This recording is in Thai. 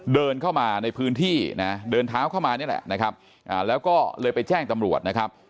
เดินเข้ามาในพื้นที่นะเดินเท้าเข้ามานี่แหละนะครับแล้วก็เลยไปแจ้งตำรวจนะครับ